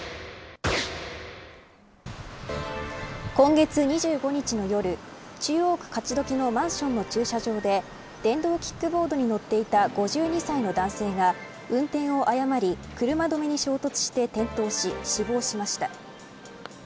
今月２５日の夜、中央区勝どきのマンションの駐車場で電動キックボードに乗っていた５２歳の男性が運転を誤り車止めに衝突して転倒し死亡しました。